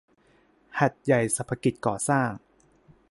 หาดใหญ่สรรพกิจก่อสร้าง